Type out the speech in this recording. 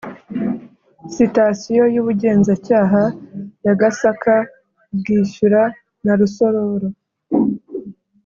Sitasiyo y Ubugenzacyaha ya Gasaka Bwishyura na Rusororo